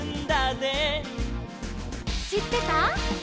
「しってた？」